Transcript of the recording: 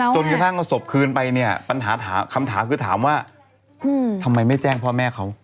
จนกระทั่งเอาศพคืนไปเนี่ยปัญหาคำถามคือถามว่าทำไมไม่แจ้งพ่อแม่เขา